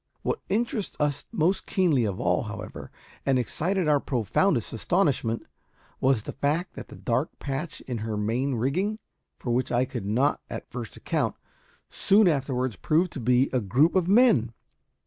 What interested us most keenly of all, however, and excited our profoundest astonishment, was the fact that a dark patch in her main rigging for which I could not at first account soon afterwards proved to be a group of men!